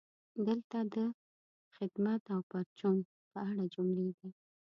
دلته د "خدمت او پرچون" په اړه جملې دي: